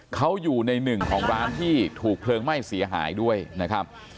เขาอยู่ในหนึ่งของร้านที่ถูกเพลิงไหม้เสียหายด้วยนะครับ